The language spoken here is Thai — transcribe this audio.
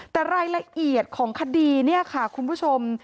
แต่รายละเอียดของคดีเนี่ยค่ะคุณผู้ชม